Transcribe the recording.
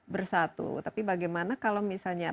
bersatu tapi bagaimana kalau misalnya